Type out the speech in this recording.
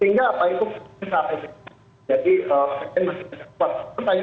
sehingga apa itu bisa diperhatikan jadi bbm masih tidak kuat